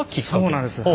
そうなんです。